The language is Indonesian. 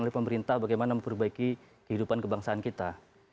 oleh pemerintah bagaimana memperbaiki kehidupan kebangsaan kita